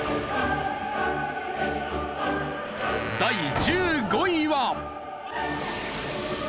第１５位は。